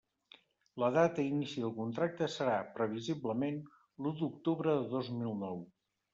La data d'inici del contracte serà, previsiblement, l'u d'octubre de dos mil nou.